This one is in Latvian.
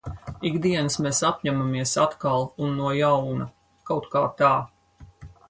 Ik dienas mēs apņemamies atkal un no jauna. Kaut kā tā.